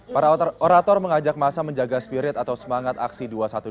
para orator mengajak masa menjaga spirit atau semangat aksi dua ratus dua belas